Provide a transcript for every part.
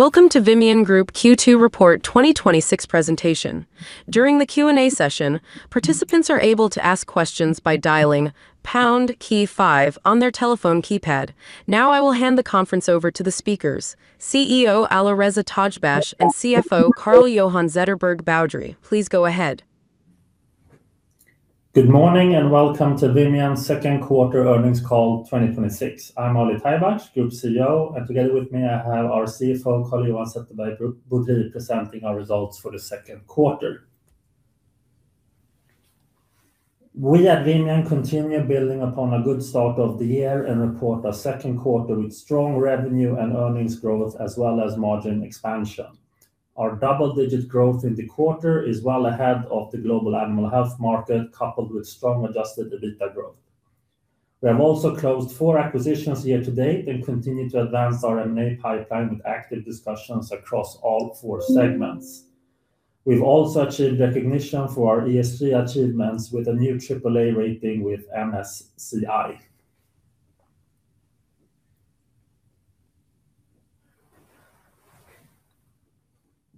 Welcome to Vimian Group Q2 Report 2026 presentation. During the Q&A session, participants are able to ask questions by dialing pound key five on their telephone keypad. I will hand the conference over to the speakers, CEO Alireza Tajbakhsh, and CFO Carl-Johan Zetterberg Boudrie. Please go ahead. Good morning. Welcome to Vimian's second quarter earnings call 2026. I am Ali Tajbakhsh, Group CEO, and together with me, I have our CFO, Carl-Johan Zetterberg Boudrie, presenting our results for the second quarter. We at Vimian continue building upon a good start of the year and report our second quarter with strong revenue and earnings growth as well as margin expansion. Our double digit growth in the quarter is well ahead of the global animal health market, coupled with strong adjusted EBITA growth. We have also closed four acquisitions here to date and continue to advance our M&A pipeline with active discussions across all four segments. We have also achieved recognition for our ESG achievements with a new AAA rating with MSCI.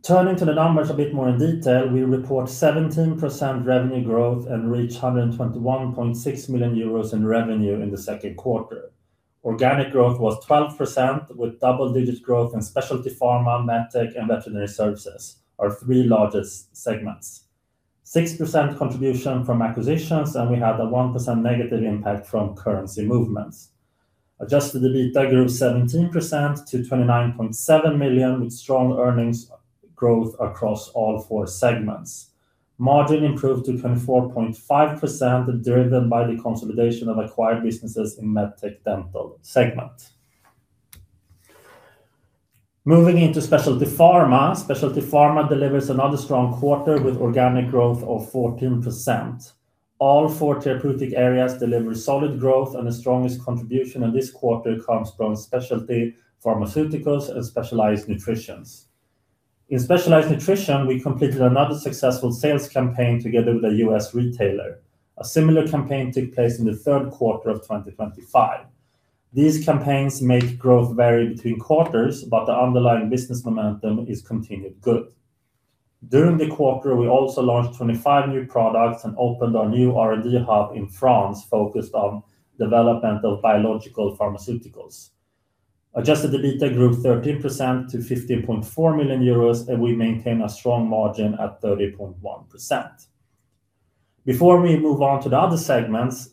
Turning to the numbers a bit more in detail, we report 17% revenue growth and reach 121.6 million euros in revenue in the second quarter. Organic growth was 12%, with double digit growth in Specialty Pharma, MedTech, and Veterinary Services, our three largest segments. 6% contribution from acquisitions, and we had a -1% impact from currency movements. Adjusted EBITA grew 17% to 29.7 million, with strong earnings growth across all four segments. Margin improved to 24.5%, driven by the consolidation of acquired businesses in MedTech Dental segment. Moving into Specialty Pharma. Specialty Pharma delivers another strong quarter with organic growth of 14%. All four therapeutic areas deliver solid growth, and the strongest contribution in this quarter comes from Specialty Pharmaceuticals and Specialized Nutrition. In Specialized Nutrition, we completed another successful sales campaign together with a U.S. retailer. A similar campaign took place in the third quarter of 2025. These campaigns make growth vary between quarters, but the underlying business momentum is continued good. During the quarter, we also launched 25 new products and opened our new R&D hub in France focused on development of biological pharmaceuticals. Adjusted EBITA grew 13% to 15.4 million euros, we maintain a strong margin at 30.1%. Before we move on to the other segments,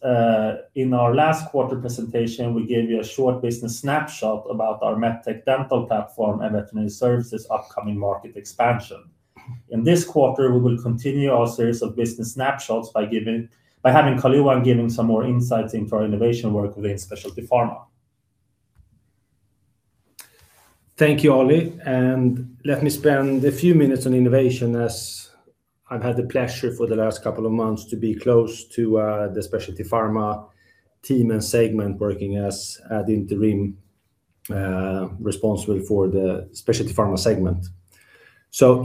in our last quarter presentation, we gave you a short business snapshot about our MedTech Dental platform and Veterinary Services upcoming market expansion. In this quarter, we will continue our series of business snapshots by having Carl-Johan giving some more insights into our innovation work within Specialty Pharma. Thank you, Ali, and let me spend a few minutes on innovation as I've had the pleasure for the last couple of months to be close to the Specialty Pharma team and segment, working as the interim responsible for the Specialty Pharma segment.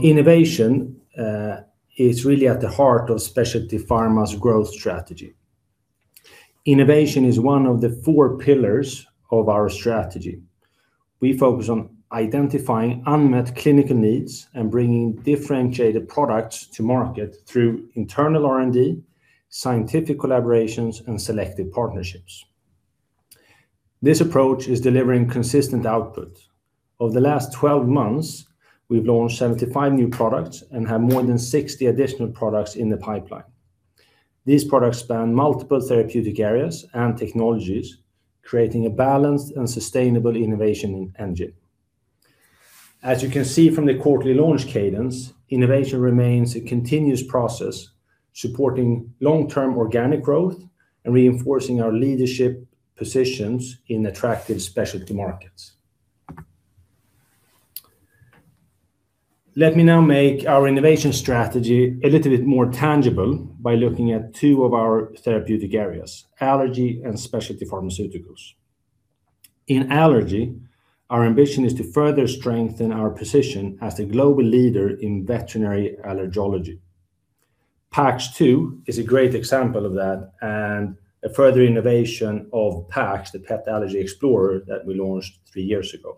Innovation is really at the heart of Specialty Pharma's growth strategy. Innovation is one of the four pillars of our strategy. We focus on identifying unmet clinical needs and bringing differentiated products to market through internal R&D, scientific collaborations, and selective partnerships. This approach is delivering consistent output. Over the last 12 months, we've launched 75 new products and have more than 60 additional products in the pipeline. These products span multiple therapeutic areas and technologies, creating a balanced and sustainable innovation engine. As you can see from the quarterly launch cadence, innovation remains a continuous process, supporting long-term organic growth and reinforcing our leadership positions in attractive specialty markets. Let me now make our innovation strategy a little bit more tangible by looking at two of our therapeutic areas, Allergy and Specialty Pharmaceuticals. In Allergy, our ambition is to further strengthen our position as the global leader in veterinary allergology. PAX 2 is a great example of that and a further innovation of PAX, the Pet Allergy Xplorer that we launched three years ago.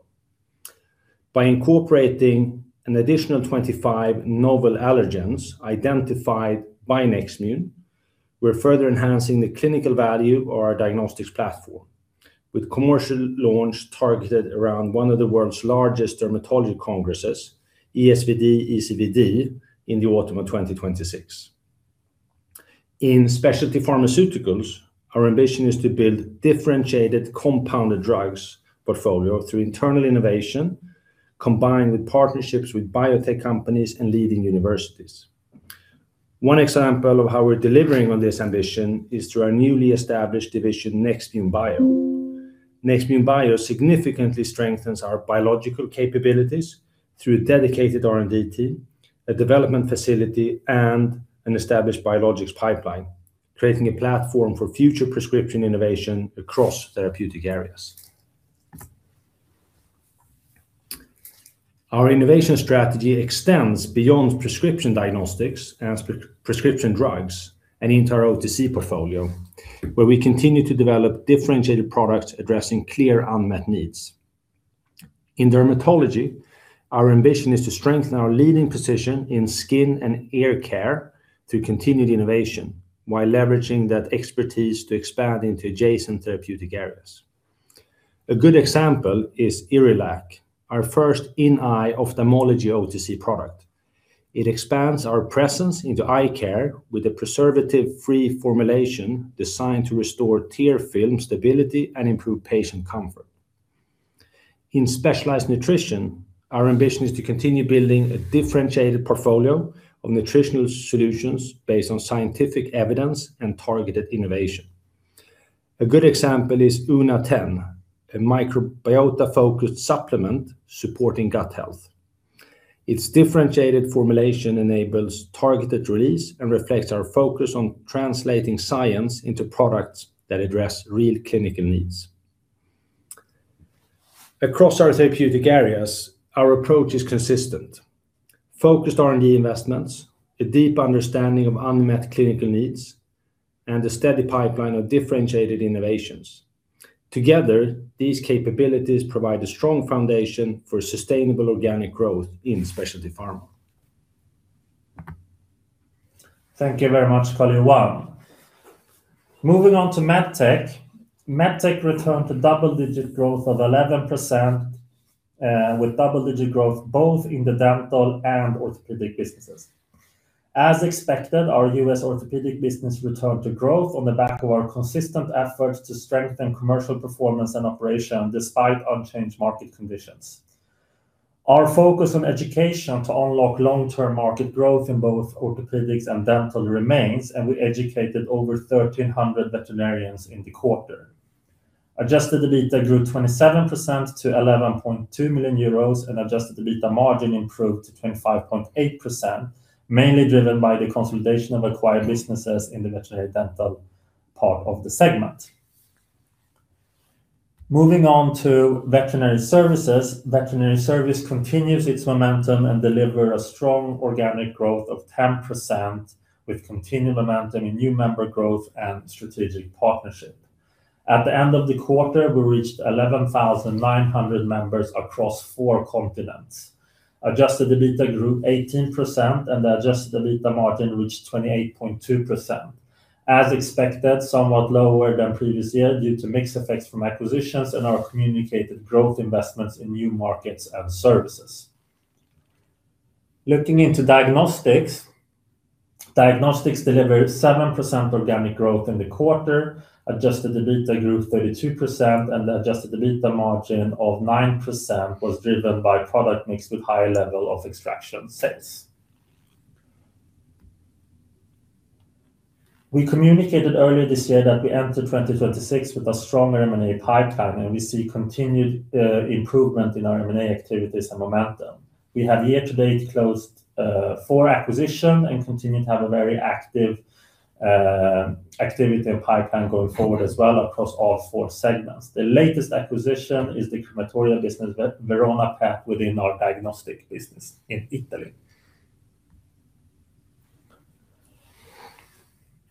By incorporating an additional 25 novel allergens identified by Nextmune, we're further enhancing the clinical value of our diagnostics platform with commercial launch targeted around one of the world's largest dermatology congresses, ESVD-ECVD, in the autumn of 2026. In Specialty Pharmaceuticals, our ambition is to build differentiated compounded drugs portfolio through internal innovation, combined with partnerships with biotech companies and leading universities. One example of how we're delivering on this ambition is through our newly established division, Nextmune Bio. Nextmune Bio significantly strengthens our biological capabilities through a dedicated R&D team, a development facility, and an established biologics pipeline, creating a platform for future prescription innovation across therapeutic areas. Our innovation strategy extends beyond prescription diagnostics and prescription drugs and into our OTC portfolio, where we continue to develop differentiated products addressing clear unmet needs. In dermatology, our ambition is to strengthen our leading position in skin and ear care through continued innovation while leveraging that expertise to expand into adjacent therapeutic areas. A good example is Irilac, our first in-eye ophthalmology OTC product. It expands our presence into eye care with a preservative-free formulation designed to restore tear film stability and improve patient comfort. In Specialized Nutrition, our ambition is to continue building a differentiated portfolio of nutritional solutions based on scientific evidence and targeted innovation. A good example is Oona10, a microbiota-focused supplement supporting gut health. Its differentiated formulation enables targeted release and reflects our focus on translating science into products that address real clinical needs. Across our therapeutic areas, our approach is consistent. Focused R&D investments, a deep understanding of unmet clinical needs, and a steady pipeline of differentiated innovations. Together, these capabilities provide a strong foundation for sustainable organic growth in Specialty Pharma. Thank you very much, Carl-Johan. Moving on to MedTech. MedTech returned to double digit growth of 11% with double digit growth both in the Dental and Orthopedic businesses. As expected, our U.S. Orthopedic business returned to growth on the back of our consistent efforts to strengthen commercial performance and operation despite unchanged market conditions. Our focus on education to unlock long-term market growth in both Orthopedics and Dental remains, and we educated over 1,300 veterinarians in the quarter. Adjusted EBITA grew 27% to 11.2 million euros and adjusted EBITA margin improved to 25.8%, mainly driven by the consolidation of acquired businesses in the Veterinary Dental part of the segment. Moving on to Veterinary Services. Veterinary Services continues its momentum and delivers a strong organic growth of 10% with continued momentum in new member growth and strategic partnership. At the end of the quarter, we reached 11,900 members across four continents. Adjusted EBITA grew 18% and the adjusted EBITA margin reached 28.2%. As expected, somewhat lower than previous year due to mixed effects from acquisitions and our communicated growth investments in new markets and services. Looking into Diagnostics. Diagnostics delivered 7% organic growth in the quarter. Adjusted EBITA grew 32% and the adjusted EBITA margin of 9% was driven by product mix with higher level of extraction sales. We communicated earlier this year that we entered 2026 with a strong M&A pipeline, and we see continued improvement in our M&A activities and momentum. We have year-to-date closed four acquisitions and continue to have a very active activity and pipeline going forward as well across all four segments. The latest acquisition is the crematorial business Verona Pet within our Diagnostics business in Italy.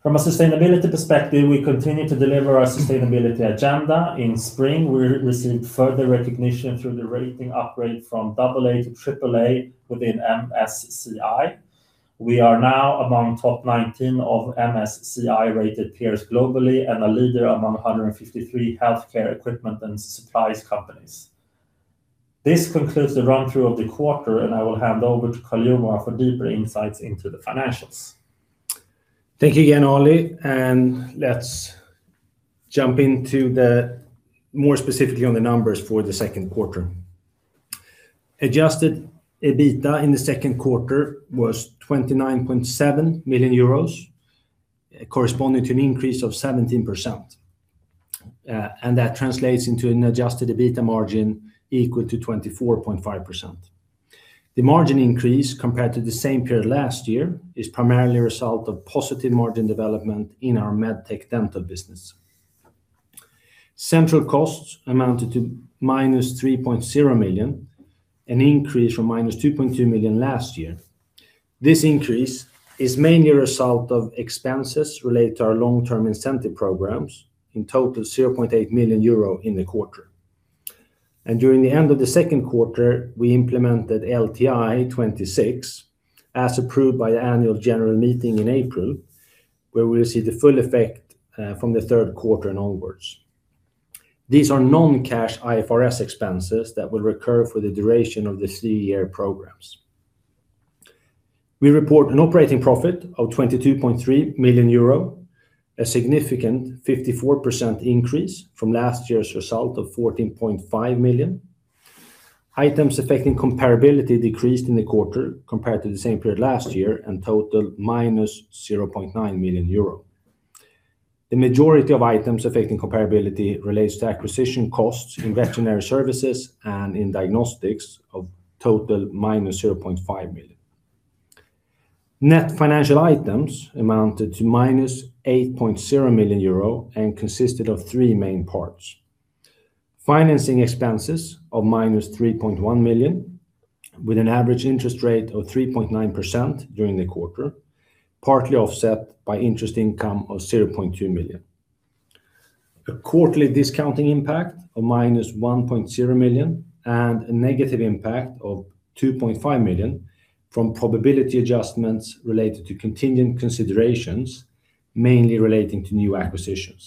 From a sustainability perspective, we continue to deliver our sustainability agenda. In spring, we received further recognition through the rating upgrade from AA to AAA within MSCI. We are now among top 19 of MSCI-rated peers globally and a leader among 153 healthcare equipment and supplies companies. This concludes the run-through of the quarter, and I will hand over to Carl-Johan for deeper insights into the financials. Thank you again, Ali, and let's jump into more specifically on the numbers for the second quarter. Adjusted EBITA in the second quarter was 29.7 million euros, corresponding to an increase of 17%. That translates into an adjusted EBITA margin equal to 24.5%. The margin increase compared to the same period last year is primarily a result of positive margin development in our MedTech Dental business. Central costs amounted to -3.0 million, an increase from -2.2 million last year. This increase is mainly a result of expenses related to our long-term incentive programs, in total, 0.8 million euro in the quarter. During the end of the second quarter, we implemented LTI 2026, as approved by the Annual General Meeting in April, where we'll see the full effect from the third quarter and onwards. These are non-cash IFRS expenses that will recur for the duration of the three-year programs. We report an operating profit of 22.3 million euro, a significant 54% increase from last year's result of 14.5 million. Items affecting comparability decreased in the quarter compared to the same period last year and totaled -0.9 million euro. The majority of items affecting comparability relates to acquisition costs in Veterinary Services and in Diagnostics of total -0.5 million. Net financial items amounted to -8.0 million euro and consisted of three main parts. Financing expenses of -3.1 million, with an average interest rate of 3.9% during the quarter, partly offset by interest income of 0.2 million. A quarterly discounting impact of -1.0 million and a negative impact of 2.5 million from probability adjustments related to contingent considerations, mainly relating to new acquisitions.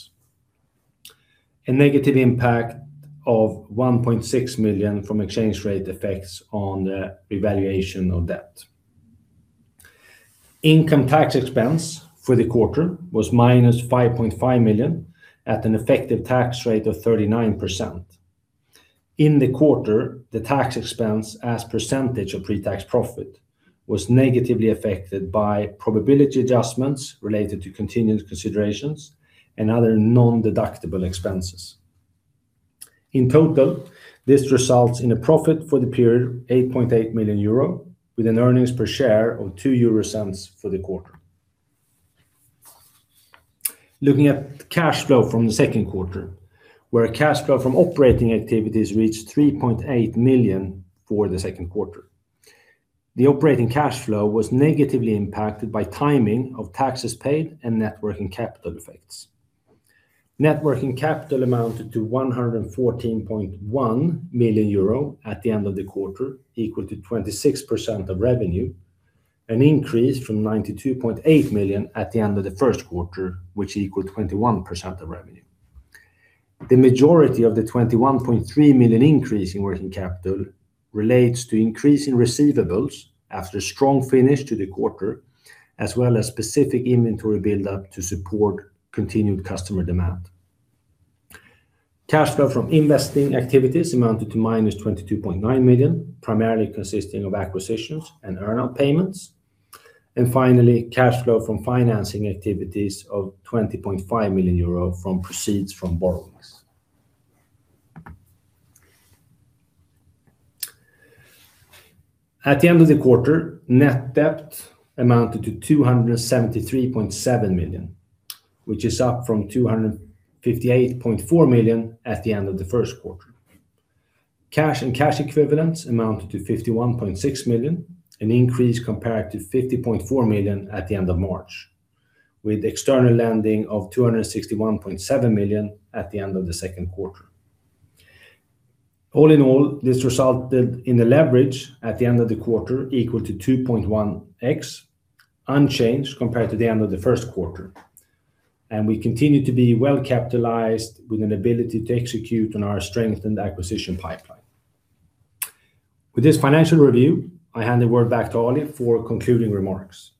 A negative impact of 1.6 million from exchange rate effects on the revaluation of debt. Income tax expense for the quarter was -5.5 million at an effective tax rate of 39%. In the quarter, the tax expense as percentage of pre-tax profit was negatively affected by probability adjustments related to contingent considerations and other non-deductible expenses. In total, this results in a profit for the period, 8.8 million euro, with an earnings per share of 0.02 for the quarter. Looking at cash flow from the second quarter, where cash flow from operating activities reached 3.8 million for the second quarter. The operating cash flow was negatively impacted by timing of taxes paid and net working capital effects. Net working capital amounted to 114.1 million euro at the end of the quarter, equal to 26% of revenue, an increase from 92.8 million at the end of the first quarter, which equaled 21% of revenue. The majority of the 21.3 million increase in working capital relates to increase in receivables after a strong finish to the quarter, as well as specific inventory build-up to support continued customer demand. Cash flow from investing activities amounted to -22.9 million, primarily consisting of acquisitions and earnout payments. Finally, cash flow from financing activities of 20.5 million euro from proceeds from borrowings. At the end of the quarter, net debt amounted to 273.7 million, which is up from 258.4 million at the end of the first quarter. Cash and cash equivalents amounted to 51.6 million, an increase compared to 50.4 million at the end of March, with external lending of 261.7 million at the end of the second quarter. All in all, this resulted in a leverage at the end of the quarter equal to 2.1x, unchanged compared to the end of the first quarter. We continue to be well-capitalized with an ability to execute on our strength and acquisition pipeline. With this financial review, I hand the word back to Ali for concluding remarks.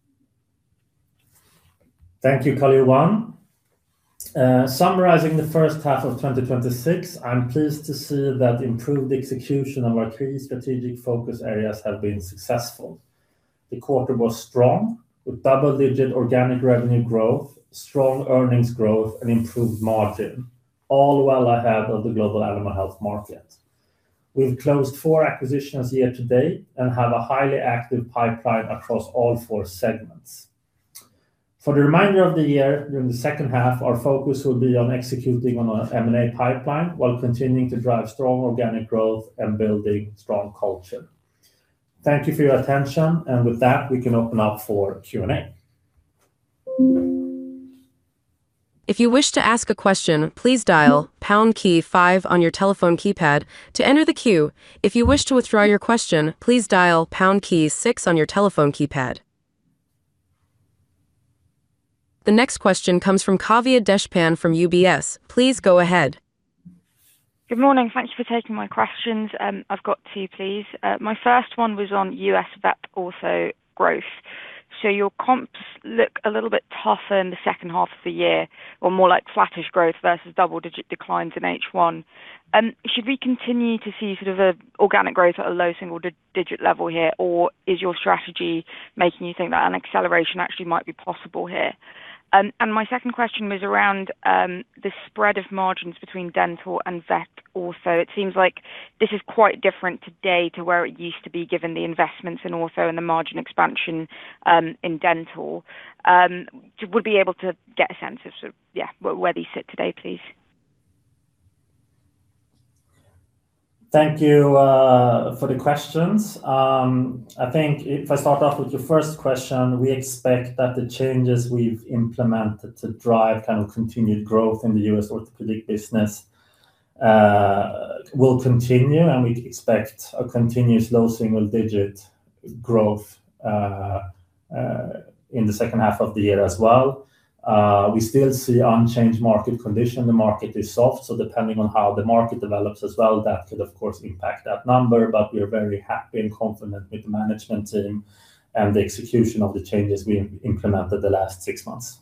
Thank you, Carl-Johan. Summarizing the first half of 2026, I'm pleased to see that improved execution of our three strategic focus areas have been successful. The quarter was strong with double digit organic revenue growth, strong earnings growth, and improved margin, all well ahead of the global animal health market. We've closed four acquisitions year-to-date and have a highly active pipeline across all four segments. For the remainder of the year, during the second half, our focus will be on executing on our M&A pipeline while continuing to drive strong organic growth and building strong culture. Thank you for your attention, and with that, we can open up for Q&A. If you wish to ask a question, please dial five on your telephone keypad to enter the queue. If you wish to withdraw your question, please dial six on your telephone keypad. The next question comes from Kavya Deshpande from UBS. Please go ahead. Good morning. Thank you for taking my questions. I've got two, please. My first one was on U.S. Vet Ortho growth. Your comps look a little bit tougher in the second half of the year, or more like flattish growth versus double digit declines in H1. Should we continue to see sort of organic growth at a low-single digit level here? Or is your strategy making you think that an acceleration actually might be possible here? My second question was around the spread of margins between Dental and Vet Ortho. It seems like this is quite different today to where it used to be, given the investments in Ortho and the margin expansion in Dental. Would be able to get a sense of where these sit today, please? Thank you for the questions. I think if I start off with your first question, we expect that the changes we've implemented to drive kind of continued growth in the U.S. Orthopedic business will continue, and we expect a continued slow single digit growth in the second half of the year as well. We still see unchanged market condition. The market is soft, depending on how the market develops as well, that could, of course, impact that number. We are very happy and confident with the management team and the execution of the changes we implemented the last six months.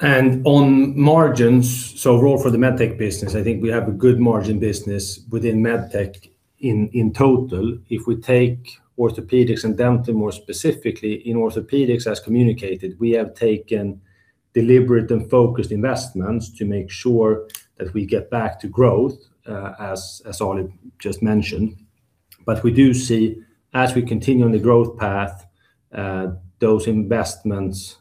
On margins, overall for the MedTech business, I think we have a good margin business within MedTech in total. If we take Orthopedics and Dental more specifically, in Orthopedics, as communicated, we have taken deliberate and focused investments to make sure that we get back to growth, as Ali just mentioned. We do see as we continue on the growth path, those investments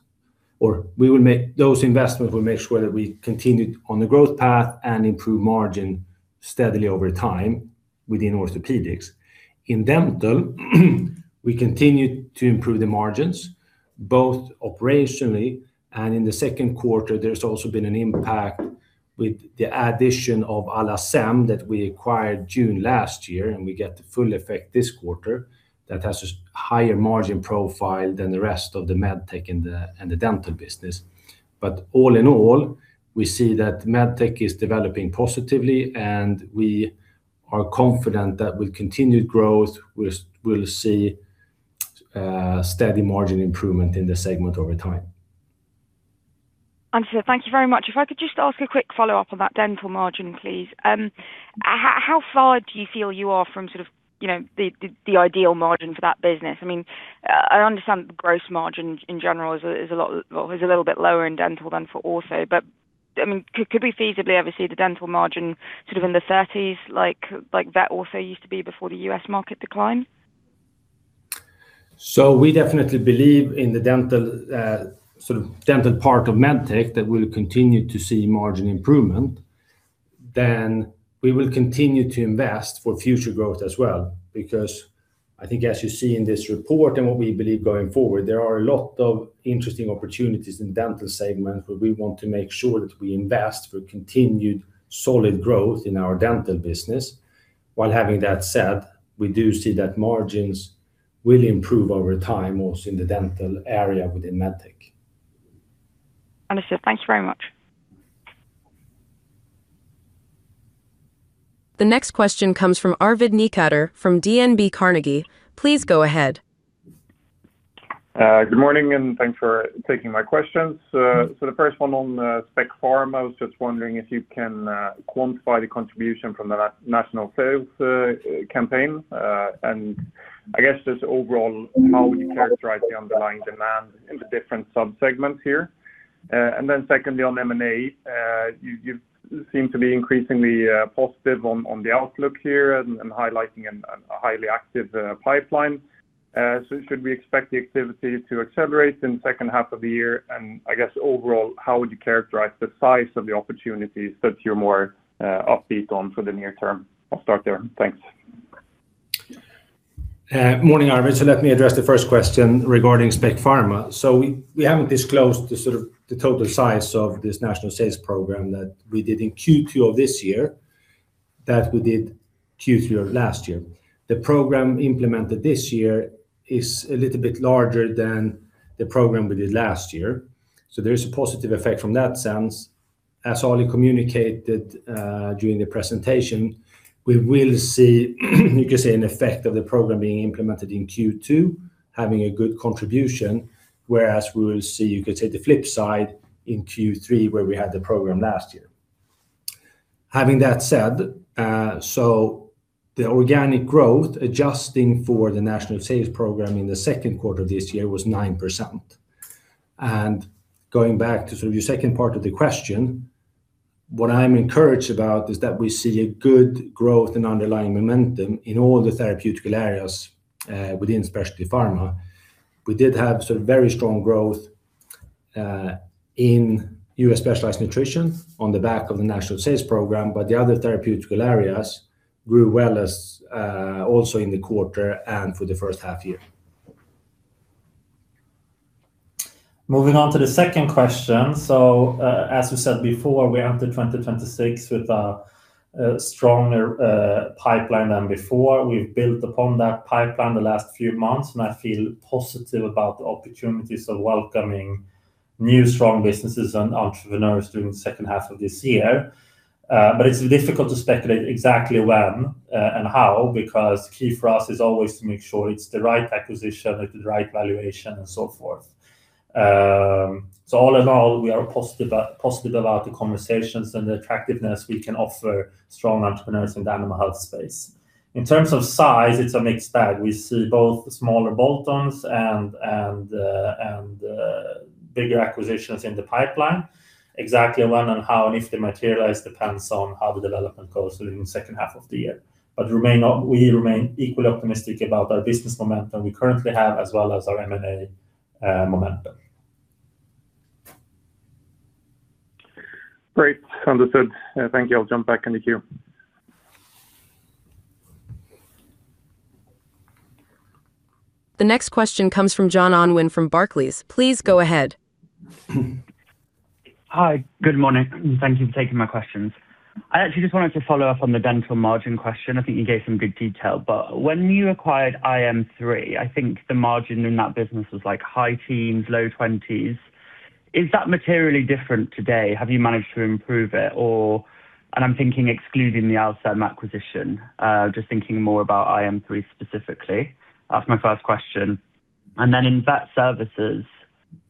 will make sure that we continue on the growth path and improve margin steadily over time within Orthopedics. In Dental, we continue to improve the margins, both operationally and in the second quarter, there's also been an impact with the addition of AllAccem that we acquired June last year, and we get the full effect this quarter. That has a higher margin profile than the rest of the MedTech and the Dental business. All in all, we see that MedTech is developing positively, and we are confident that with continued growth, we'll see steady margin improvement in this segment over time. Understood. Thank you very much. If I could just ask a quick follow-up on that Dental margin, please. How far do you feel you are from the ideal margin for that business? I understand gross margin in general is a little bit lower in Dental than for Ortho, but could we feasibly ever see the Dental margin in the 30s like Vet Ortho used to be before the U.S. market decline? We definitely believe in the Dental part of MedTech that we'll continue to see margin improvement. We will continue to invest for future growth as well. I think as you see in this report and what we believe going forward, there are a lot of interesting opportunities in Dental segment where we want to make sure that we invest for continued solid growth in our Dental business. While having that said, we do see that margins will improve over time, also in the Dental area within MedTech. Understood. Thank you very much. The next question comes from Arvid Necander from DNB Carnegie. Please go ahead. Good morning, and thanks for taking my questions. The first one on Spec Pharma, I was just wondering if you can quantify the contribution from the national sales campaign. I guess just overall, how would you characterize the underlying demand in the different sub-segments here? Secondly, on M&A, you seem to be increasingly positive on the outlook here and highlighting a highly active pipeline. Should we expect the activity to accelerate in the second half of the year? I guess overall, how would you characterize the size of the opportunities that you're more upbeat on for the near term? I'll start there. Thanks. Morning, Arvid. Let me address the first question regarding Spec Pharma. We haven't disclosed the total size of this national sales program that we did in Q2 of this year, that we did Q2 of last year. The program implemented this year is a little bit larger than the program we did last year. There is a positive effect from that sense. As Ali communicated during the presentation, we will see, you could say, an effect of the program being implemented in Q2, having a good contribution, whereas we will see, you could say, the flip side in Q3, where we had the program last year. Having that said, the organic growth adjusting for the national sales program in the second quarter of this year was 9%. Going back to your second part of the question, what I'm encouraged about is that we see a good growth in underlying momentum in all the therapeutical areas within Specialty Pharma. We did have very strong growth in U.S. Specialized Nutrition on the back of the national sales program, but the other therapeutical areas grew well as also in the quarter and for the first half-year. Moving on to the second question. As we said before, we entered 2026 with a stronger pipeline than before. We've built upon that pipeline the last few months, and I feel positive about the opportunities of welcoming new strong businesses and entrepreneurs during the second half-year. It's difficult to speculate exactly when and how, because key for us is always to make sure it's the right acquisition at the right valuation and so forth. All in all, we are positive about the conversations and the attractiveness we can offer strong entrepreneurs in the animal health space. In terms of size, it's a mixed bag. We see both smaller bolt-ons and bigger acquisitions in the pipeline. Exactly when and how and if they materialize depends on how the development goes during the second half-year. We remain equally optimistic about our business momentum we currently have as well as our M&A momentum. Great. Understood. Thank you. I'll jump back in the queue. The next question comes from Jon Unwin from Barclays. Please go ahead. Hi. Good morning. Thank you for taking my questions. I actually just wanted to follow up on the dental margin question. I think you gave some good detail, but when you acquired iM3, I think the margin in that business was high teens, low 20s. Is that materially different today? Have you managed to improve it, or I'm thinking excluding the AllAccem acquisition, just thinking more about iM3 specifically. That's my first question. Then in Veterinary Services,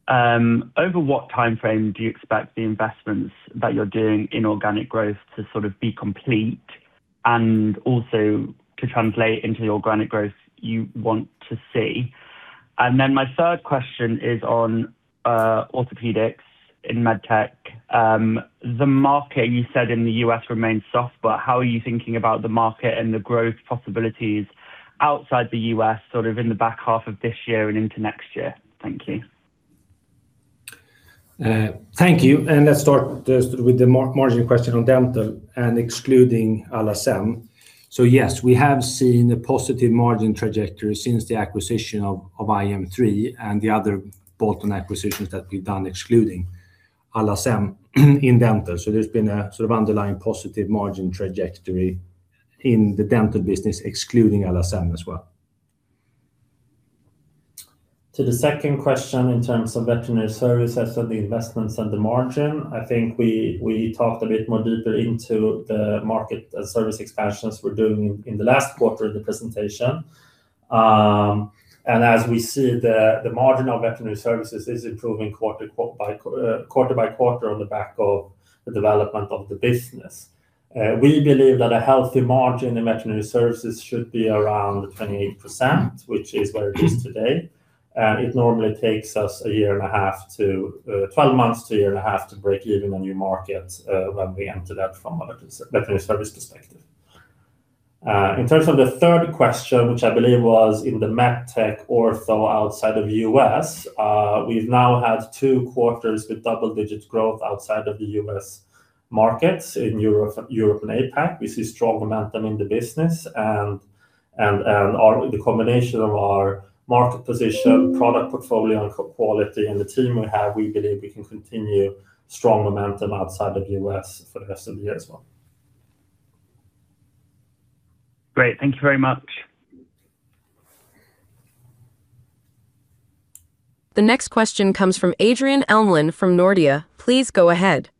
over what timeframe do you expect the investments that you're doing in organic growth to sort of be complete and also to translate into the organic growth you want to see? Then my third question is on Orthopedics in MedTech. The market, you said in the U.S. remains soft, how are you thinking about the market and the growth possibilities outside the U.S. in the back half of this year and into next year? Thank you. Thank you. Let's start with the margin question on Dental and excluding AllAccem. Yes, we have seen a positive margin trajectory since the acquisition of iM3 and the other bolt-on acquisitions that we've done excluding AllAccem in Dental. There's been a sort of underlying positive margin trajectory in the Dental business, excluding AllAccem as well. To the second question, in terms of Veterinary Services and the investments and the margin, I think we talked a bit more deeper into the market service expansions we're doing in the last quarter of the presentation. As we see, the margin on Veterinary Services is improving quarter-by-quarter on the back of the development of the business. We believe that a healthy margin in Veterinary Services should be around 28%, which is where it is today. It normally takes us 12 months to a 1.5 year to break even a new market, when we enter that from a Veterinary Services perspective. In terms of the third question, which I believe was in the MedTech Ortho outside of U.S., we've now had two quarters with double digit growth outside of the U.S. markets in Europe and APAC. We see strong momentum in the business and with the combination of our market position, product portfolio, and quality in the team we have, we believe we can continue strong momentum outside of U.S. for the rest of the year as well. Great. Thank you very much. The next question comes from Adrian Elmlund from Nordea. Please go ahead.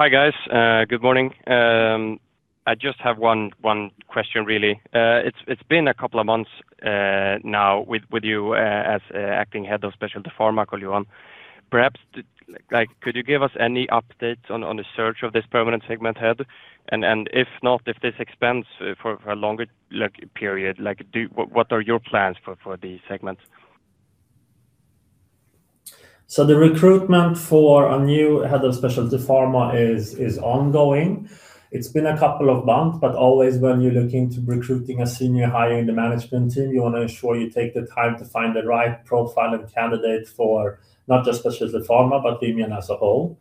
Hi, guys. Good morning. I just have one question really. It's been a couple of months now with you as acting Head of Specialty Pharma, Carl-Johan. Perhaps could you give us any updates on the search of this permanent segment head? If not, if this expands for a longer period, what are your plans for these segments? The recruitment for a new Head of Specialty Pharma is ongoing. It's been a couple of months, but always when you're looking to recruiting a senior hire in the management team, you want to ensure you take the time to find the right profile and candidate for not just Specialty Pharma, but Vimian as a whole.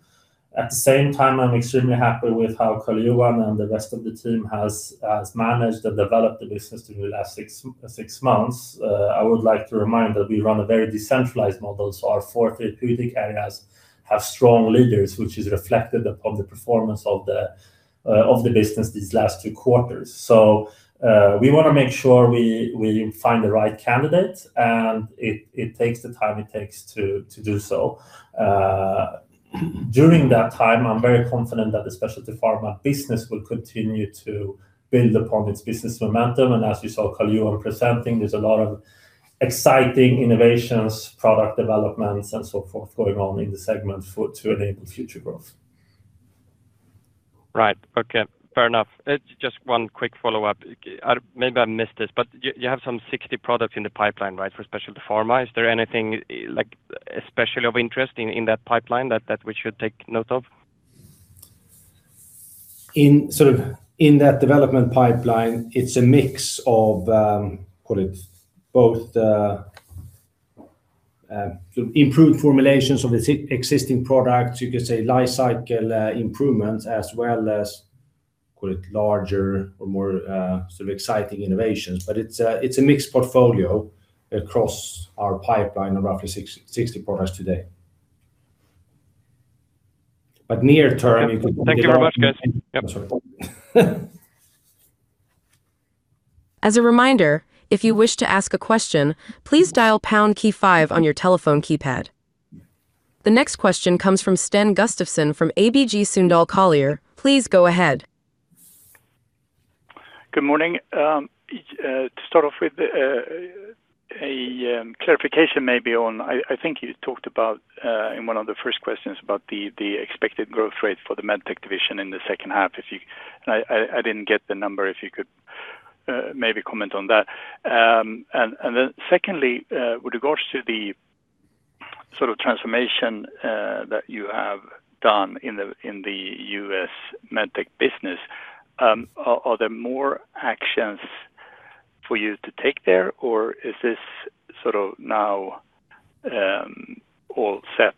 At the same time, I'm extremely happy with how Carl-Johan and the rest of the team has managed and developed the business through the last six months. I would like to remind that we run a very decentralized model, so our four therapeutic areas have strong leaders, which is reflected upon the performance of the business these last two quarters. We want to make sure we find the right candidate, and it takes the time it takes to do so. During that time, I'm very confident that the Specialty Pharma business will continue to build upon its business momentum, and as you saw Carl-Johan presenting, there's a lot of exciting innovations, product developments and so forth going on in the segment to enable future growth. Right. Okay. Fair enough. Just one quick follow-up. Maybe I missed this, but you have some 60 products in the pipeline, right? For Specialty Pharma. Is there anything especially of interest in that pipeline that we should take note of? In that development pipeline, it's a mix of both improved formulations of existing products, you could say lifecycle improvements as well as larger or more exciting innovations. It's a mixed portfolio across our pipeline of roughly 60 products today. Thank you very much, guys. Yep. As a reminder, if you wish to ask a question, please dial pound key five on your telephone keypad. The next question comes from Sten Gustafsson from ABG Sundal Collier. Please go ahead. Good morning. To start off with, a clarification maybe on, I think you talked about, in one of the first questions about the expected growth rate for the MedTech division in the second half. I didn't get the number. If you could maybe comment on that. Secondly, with regards to the sort of transformation that you have done in the U.S. MedTech business, are there more actions for you to take there? Or is this sort of now all set,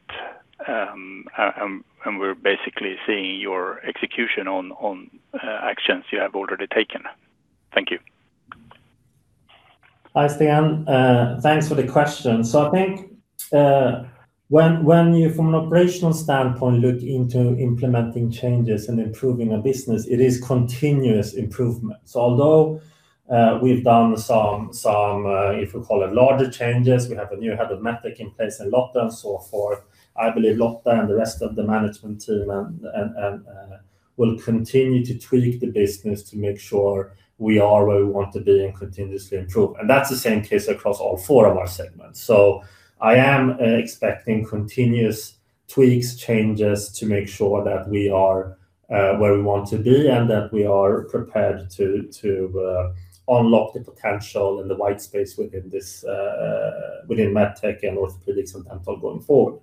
and we're basically seeing your execution on actions you have already taken? Thank you. Hi, Sten. Thanks for the question. I think when you, from an operational standpoint, look into implementing changes and improving a business, it is continuous improvement. Although we've done some, if we call it larger changes, we have a new Head of MedTech in place and Lotta Lundaas and so forth. I believe Lotta and the rest of the management team will continue to tweak the business to make sure we are where we want to be and continuously improve. That's the same case across all four of our segments. I am expecting continuous tweaks, changes to make sure that we are where we want to be and that we are prepared to unlock the potential and the white space within MedTech and Orthopedics and Dental going forward.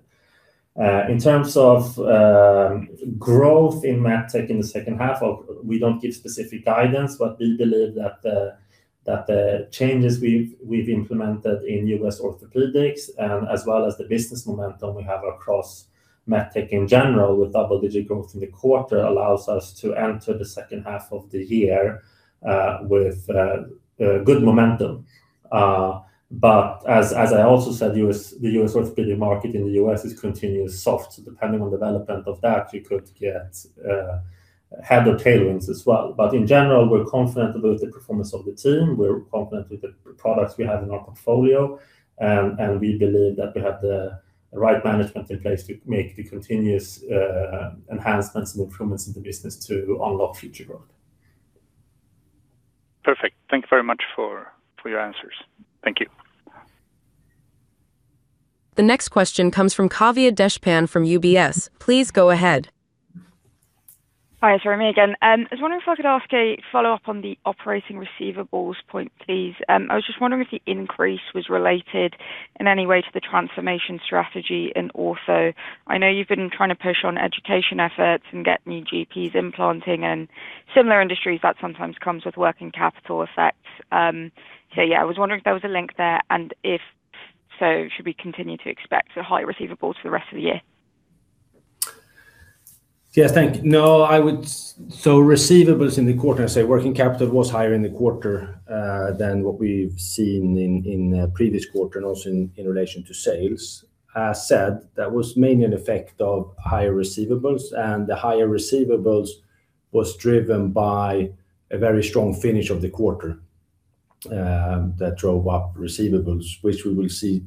In terms of growth in MedTech in the second half, we don't give specific guidance, but we believe that the changes we've implemented in U.S. Orthopedics, as well as the business momentum we have across MedTech in general with double digit growth in the quarter, allows us to enter the second half of the year with good momentum. As I also said, the U.S. Orthopedic market in the U.S. is continuously soft. Depending on development of that, we could get head or tailwinds as well. In general, we're confident about the performance of the team, we're confident with the products we have in our portfolio, and we believe that we have the right management in place to make the continuous enhancements and improvements in the business to unlock future growth. Perfect. Thank you very much for your answers. Thank you. The next question comes from Kavya Deshpande from UBS. Please go ahead. Hi, it's me again. I was wondering if I could ask a follow-up on the operating receivables point, please. I was just wondering if the increase was related in any way to the transformation strategy in Ortho. I know you've been trying to push on education efforts and get new GPs implanting. In similar industries, that sometimes comes with working capital effects. Yeah, I was wondering if there was a link there, and if so, should we continue to expect high receivables for the rest of the year? Yeah. Thank you. No. Receivables in the quarter, I say working capital was higher in the quarter than what we've seen in the previous quarter, and also in relation to sales. As said, that was mainly an effect of higher receivables, and the higher receivables was driven by a very strong finish of the quarter that drove up receivables, which we will see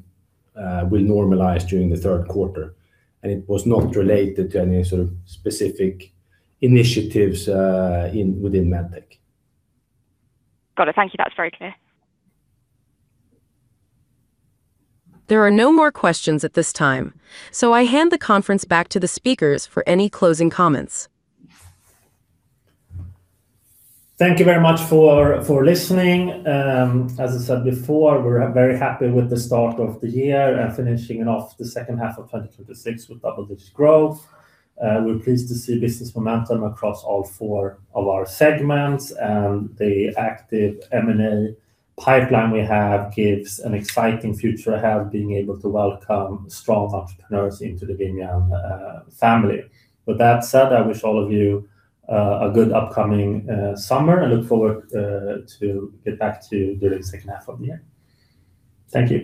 will normalize during the third quarter. It was not related to any sort of specific initiatives within MedTech. Got it. Thank you. That's very clear. There are no more questions at this time. I hand the conference back to the speakers for any closing comments. Thank you very much for listening. As I said before, we're very happy with the start of the year and finishing off the second half of 2026 with double digit growth. We're pleased to see business momentum across all four of our segments and the active M&A pipeline we have gives an exciting future ahead, being able to welcome strong entrepreneurs into the Vimian family. With that said, I wish all of you a good upcoming summer and look forward to get back to during the second half of the year. Thank you.